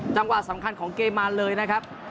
จังหวะสำคัญของเกมมาเลยนะครับ